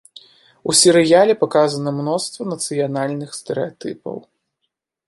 У серыяле паказана мноства нацыянальных стэрэатыпаў.